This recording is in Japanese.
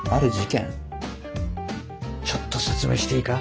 ちょっと説明していいか？